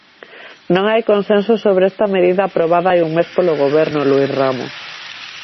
Non hai consenso sobre esta medida aprobada hai un mes polo Goberno, Luís Ramos.